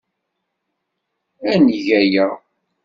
Ad neg aya.